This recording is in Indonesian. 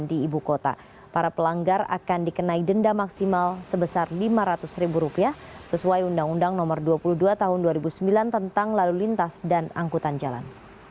di ibu kota para pelanggar akan dikenai denda maksimal sebesar lima ratus ribu rupiah sesuai undang undang nomor dua puluh dua tahun dua ribu sembilan tentang lalu lintas dan angkutan jalan